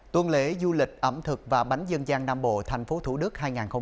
tuần lễ du lịch ẩm thực và bánh dân gian nam bộ thành phố thủ đức hai nghìn hai mươi một